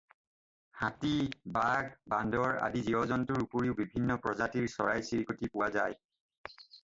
হাতী, বাঘ, বান্দৰ আদি জীৱ-জন্তুৰ উপৰিও বিভিন্ন প্ৰজাতিৰ চৰাই-চিৰিকতি পোৱা যায়।